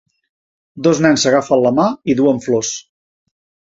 dos nens s'agafen la mà i duen flors.